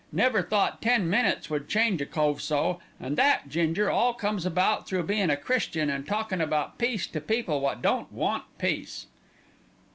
Never thought ten minutes could change a cove so, and that, Ginger, all comes about through being a Christian and talkin' about peace to people wot don't want peace."